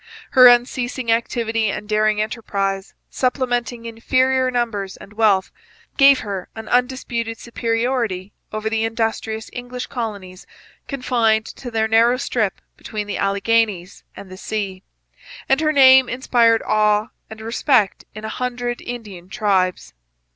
Her unceasing activity and daring enterprise, supplementing inferior numbers and wealth, gave her an undisputed superiority over the industrious English colonies confined to their narrow strip between the Alleghanies and the sea; and her name inspired awe and respect in a hundred Indian tribes.